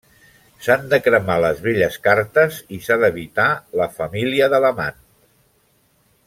S'han de cremar les velles cartes i s'ha d'evitar la família de l'amant.